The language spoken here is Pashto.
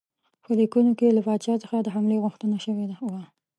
په لیکونو کې له پاچا څخه د حملې غوښتنه شوې وه.